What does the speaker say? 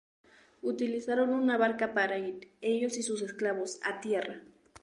Utilizaron una barca para ir, ellos y sus esclavos, a tierra.